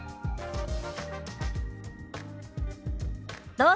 どうぞ。